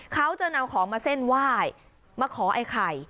เขาจะนำของมาเส้นไหว้มาขอไอ้ไข่